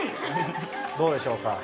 どうでしょうか？